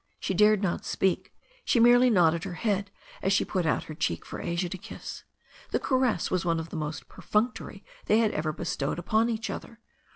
She dared not speak; she merely nodded her head as she put out her cheek for Asia to kiss. The caress was one of the most per functory they had ever bestowed upon each other.